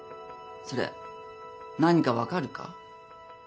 それ何か分かるか？